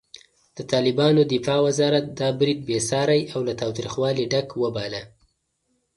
د طالبانو دفاع وزارت دا برید بېساری او له تاوتریخوالي ډک وباله.